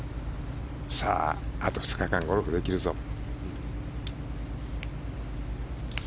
あと２日間ゴルフができるぞと。